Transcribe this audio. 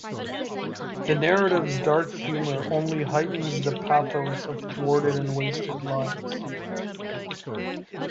The narrative's dark humor only heightens the pathos of thwarted and wasted lives.